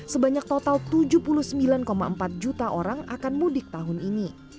sebanyak total tujuh puluh sembilan empat juta orang akan mudik tahun ini